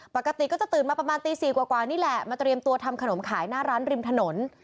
ปกติก็จะตื่นมาประมาณตี๔กว่านี่แหละมาเตรียมตัวทำขนมขายหน้าร้านริมถนน